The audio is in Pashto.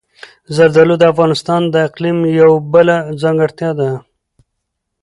زردالو د افغانستان د اقلیم یوه بله ځانګړتیا ده.